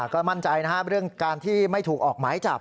ก็มั่นใจนะครับเรื่องการที่ไม่ถูกออกหมายจับ